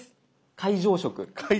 会場食。